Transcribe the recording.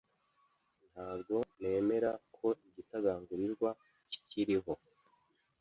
Ntabwo nemera ko igitagangurirwa kikiriho.